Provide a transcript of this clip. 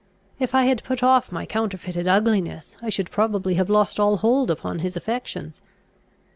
If I had put off my counterfeited ugliness, I should probably have lost all hold upon his affections.